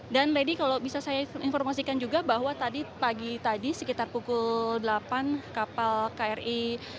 dan lady kalau bisa saya informasikan juga bahwa pagi tadi sekitar pukul delapan kapal kri